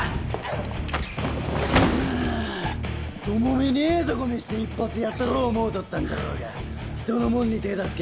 友美にええとこ見して一発やったろう思うとったんじゃろうが人のもんに手ぇ出すけ